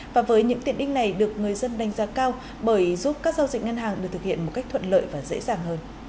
và với những tiện đích này được người dân đánh giá cao bởi giúp các giao dịch ngân hàng được thực hiện một cách thuận lợi và dễ dàng hơn